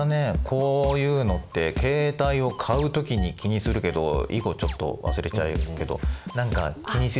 こういうのって携帯を買う時に気にするけど以後ちょっと忘れちゃうけど何か気にするよね。